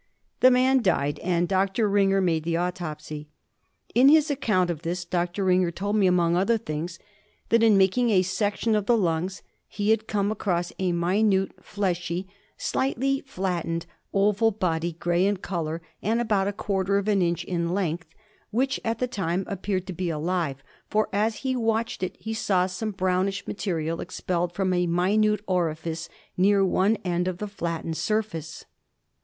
The man died, and Dr. Ringer made the autopsy. In his account of this Dr. Ringer told me, among other things, that in making a section of the lungs he had come across a minute, fleshy, slightly flattened oval body, grey in colour, and about a quarter of an inch in length, which at the time appeared to be alive, for, as he watched it, he saw some brownish material expelled from a minute orifice near one end of the flattened surface.